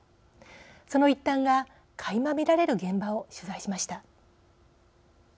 その一端がかいま見られる現場を取材しました。